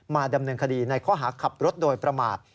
ดำเนินคดีในข้อหาขับรถโดยประมาท